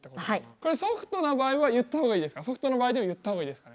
これソフトな場合は言った方がいいですか？